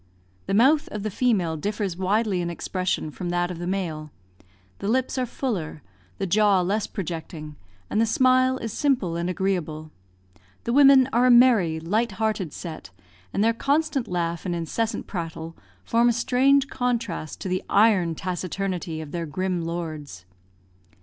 The mouth of the female differs widely in expression from that of the male; the lips are fuller, the jaw less projecting, and the smile is simple and agreeable. The women are a merry, light hearted set, and their constant laugh and incessant prattle form a strange contrast to the iron taciturnity of their grim lords.